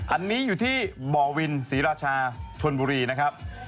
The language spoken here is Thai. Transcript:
อันนี้อยู่ที่บ่อวินศรีราชาชนบุรีนะครับ